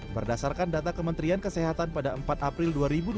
berdasarkan data kementerian kesehatan pada empat april dua ribu dua puluh